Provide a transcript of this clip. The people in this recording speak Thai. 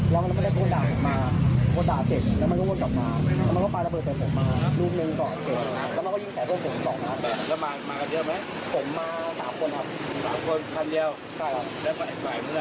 แล้วก็ฝ่ายไปได้ฝ่ายไปได้ฝ่ายไปได้